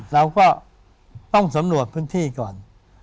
เราก็ต้องสำรวจพื้นที่ก่อน